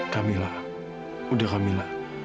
kamilah udah kamilah